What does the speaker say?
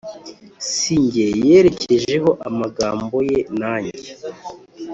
Si jye yerekejeho amagambo ye nanjye